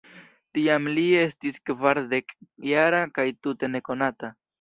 Tiam li estis kvardek-jara kaj tute nekonata.